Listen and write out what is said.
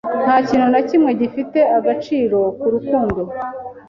Ntakintu nakimwe gifite agaciro nkurukundo.